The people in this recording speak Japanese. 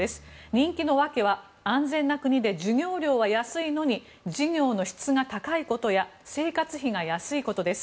人気の訳は安全な国で授業料は安いのに授業の質が高いことや生活費が安いことです。